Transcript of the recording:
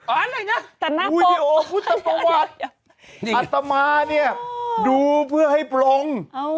อะไรนะแต่นั่งวิดีโอพุทธประวัติอัตมาเนี่ยดูเพื่อให้ปลง